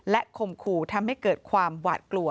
ข่มขู่ทำให้เกิดความหวาดกลัว